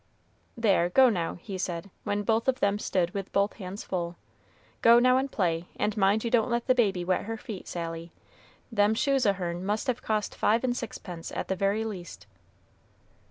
"There, go now," he said, when both of them stood with both hands full; "go now and play; and mind you don't let the baby wet her feet, Sally; them shoes o' hern must have cost five and sixpence at the very least."